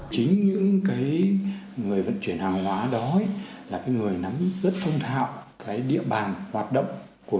chính những người vận chuyển hàng hóa đó là cái người nắm rất thông thạo cái địa bàn hoạt động của